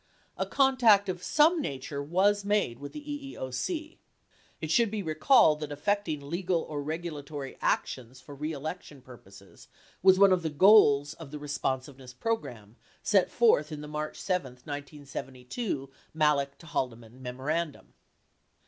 A contact of some nature was made with the EEOC. (It should be recalled that affecting "legal or regulatory actions" for reelection purposes was one of the goals of the Responsiveness Program set forth in the March 17, 1972, Malek to Haldeman memorandum.